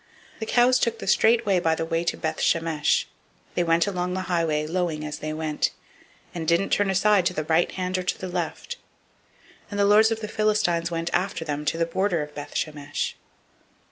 006:012 The cows took the straight way by the way to Beth Shemesh; they went along the highway, lowing as they went, and didn't turn aside to the right hand or to the left; and the lords of the Philistines went after them to the border of Beth Shemesh.